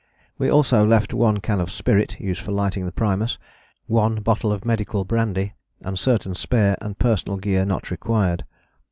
We also left one can of spirit, used for lighting the primus, one bottle of medical brandy and certain spare and personal gear not required.